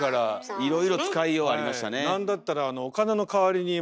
いろいろ使いようありましたね。